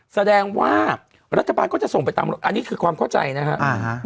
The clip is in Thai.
แสดงว่ารัฐบาลก็จะส่งไปตามอันนี้คือความเข้าใจนะครับ